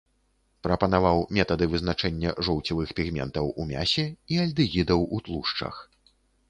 Прапанаваў метады вызначэння жоўцевых пігментаў у мясе і альдэгідаў у тлушчах.